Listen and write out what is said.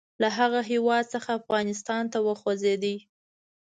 له هغه هیواد څخه افغانستان ته وخوځېدی.